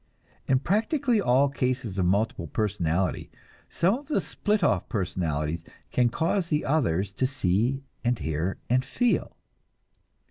In practically all cases of multiple personality some of the split off personalities can cause the others to see and hear and feel.